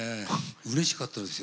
うれしかったです